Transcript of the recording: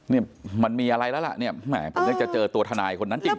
นี่มันมีอะไรแล้วล่ะเนี่ยแหมผมเนี่ยจะเจอตัวทนายคนนั้นจริง